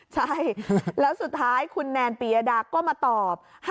ใช่แล้วสุดท้ายคุณแนนปียดาก็มาตอบ